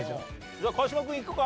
じゃあ川島君いくか？